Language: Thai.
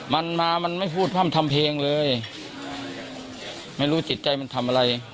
ไม่รู้สิทธิ์ใจมันทำอะไร